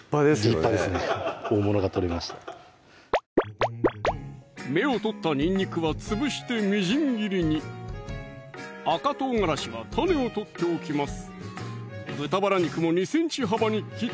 立派ですね大物が取れました芽を取ったにんにくは潰してみじん切りに赤唐辛子は種を取っておきます